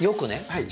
はい。